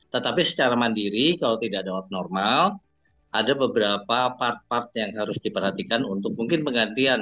tetapi secara mandiri kalau tidak ada abnormal ada beberapa part part yang harus diperhatikan untuk mungkin penggantian